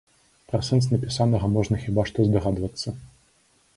Пра сэнс напісанага можна хіба што здагадвацца.